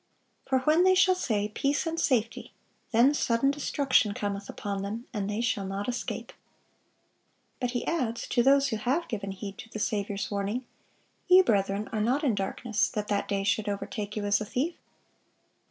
For when they shall say, Peace and safety; then sudden destruction cometh upon them, ... and they shall not escape." But He adds, to those who have given heed to the Saviour's warning, "Ye, brethren, are not in darkness, that that day should overtake you as a thief.